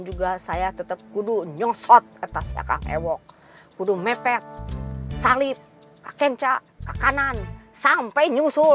juga saya tetap kudu nyosot atas akan ewok kudu mepet salib kencah kanan sampai nyusul